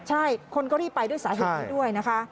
ใช่คนก็รีบไปด้วยสาเหตุนี้ด้วยนะคะ